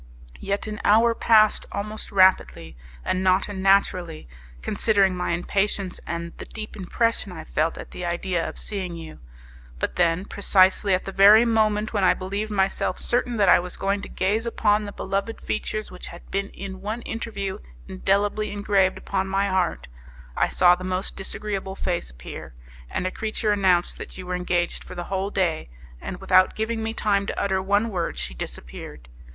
Yet an hour passed almost rapidly, and not unnaturally, considering my impatience and the deep impression I felt at the idea of seeing you. But then, precisely at the very moment when I believed myself certain that I was going to gaze upon the beloved features which had been in one interview indelibly engraved upon my heart, I saw the most disagreeable face appear, and a creature announced that you were engaged for the whole day, and without giving me time to utter one word she disappeared!